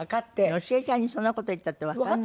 好重ちゃんにそんな事言ったってわからないわよ。